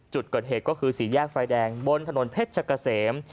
จุดเกิดเหตุก็คือสี่แยกไฟแดงบนถนนเพชรกะเสม